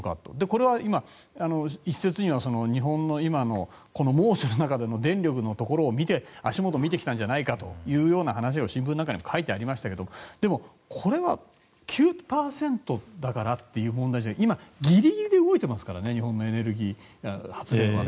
これは今、一説には日本の今の猛暑の中での電力のところを見て足元を見てきたんじゃないかという話を新聞なんかにも書いてありましたけどでも、これは９％だからという問題じゃなくて今、ギリギリで動いてますからね日本の発電は。